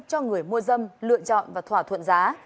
cho người mua dâm lựa chọn và thỏa thuận giá